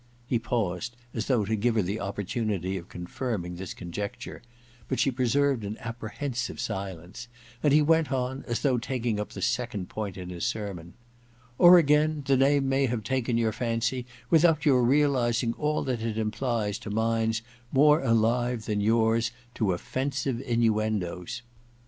..* He paused, as thoi^h to give her the opportunity of confirming this conjecture, but she preserved an apprehensive silence, and he went on, as though taking up the second point in his sermon —* Or, again, tne name may have taken your fancy without your realizing all that it implies to minds more alive than yours to offensive innuendoes.